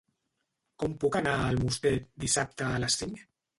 Com puc anar a Almoster dissabte a les cinc?